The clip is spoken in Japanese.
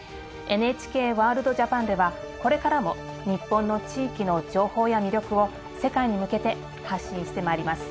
「ＮＨＫワールドＪＡＰＡＮ」ではこれからも日本の地域の情報や魅力を世界に向けて発信してまいります。